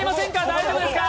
大丈夫ですか？